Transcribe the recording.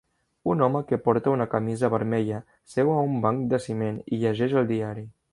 Un home que porta una camisa vermella seu a un banc de ciment i llegeix el diari.